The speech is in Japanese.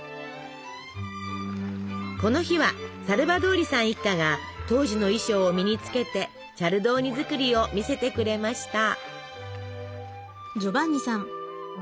この日はサルヴァドーリさん一家が当時の衣装を身につけてチャルドーニ作りを見せてくれました。